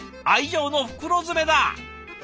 愛情の袋詰めだ！